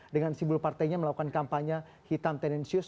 dengan simbol partainya melakukan kampanye hitam tendensius